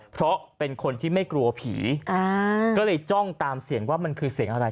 เพราะเป็นคนที่ไม่กลัวผีก็เลยจ้องตามเสียงว่ามันคือเสียงอะไร